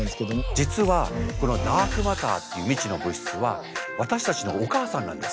実はこのダークマターっていう未知の物質は私たちのお母さんなんです。